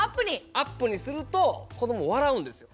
アップにすると子ども笑うんですよ。